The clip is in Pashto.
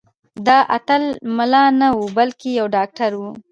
دا اتل ملا نه و بلکې یو ډاکټر و.